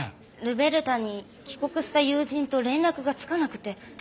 ルベルタに帰国した友人と連絡がつかなくて。